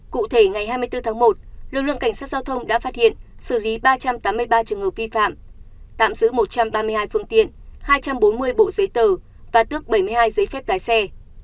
cụ thể ngày hai mươi bốn tháng một lực lượng cảnh sát giao thông đã phát hiện xử lý ba trăm tám mươi ba trường hợp vi phạm tạm giữ một trăm ba mươi hai phương tiện hai trăm bốn mươi bộ giấy tờ và tước bảy mươi hai giấy phép lái xe